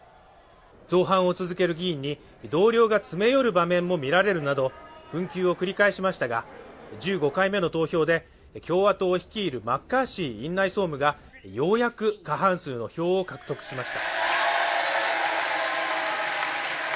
造反を続ける議員に同僚が詰め寄る場面も見られるなど紛糾を繰り返しましたが、１５回目の投票で共和党を率いるマッカーシー院内総務がようやく過半数の票を獲得しました。